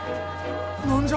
何じゃ？